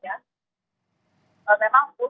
di pnap masih terperotok di paren